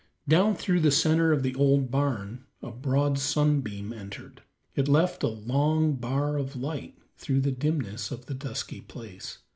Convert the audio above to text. Down through the center of the old barn a broad sunbeam entered. It left a long bar of light through the dimness of the dusky place.